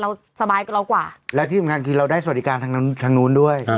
เราสบายกว่าแล้วกว่าแล้วที่เหมือนกันคือเราได้สวัสดิการทางนั้นทางนู้นด้วย